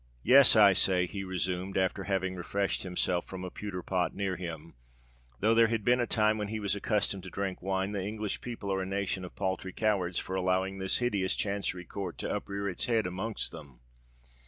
"Yes—I say," he resumed, after having refreshed himself from a pewter pot near him—though there had been a time when he was accustomed to drink wine,—"the English people are a nation of paltry cowards for allowing this hideous Chancery Court to uprear its head amongst them.